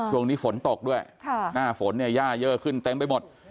ช่วงนี้ฝนตกด้วยหน้าฝนเนี่ยย่าเยอะขึ้นเต็มไปหมด